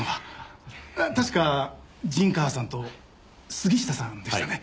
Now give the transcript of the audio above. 確か陣川さんと杉下さんでしたね。